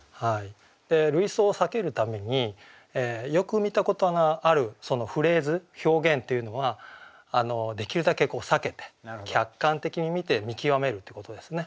で類想をさけるためによく見たことのあるフレーズ表現っていうのはできるだけさけて客観的に見て見極めるってことですね。